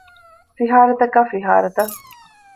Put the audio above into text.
ފިހާރަތަކާ ފިހާރަތައް